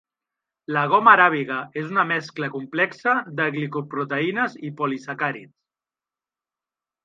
La goma aràbiga és una mescla complexa de glicoproteïnes i polisacàrids.